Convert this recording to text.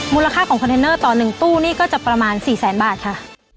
มูลค่าของคอนเทนเนอร์ต่อ๑ตู้นี่ก็จะประมาณ๔แสนบาทค่ะ